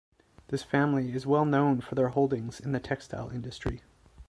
This family is well known for their holdings in the textile industry.